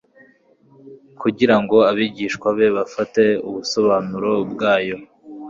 kugira ngo abigishwa be bafate ubusobanuro bwayo.